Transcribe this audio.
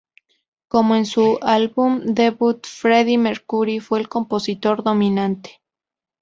Como en su "álbum debut", Freddie Mercury fue el compositor dominante.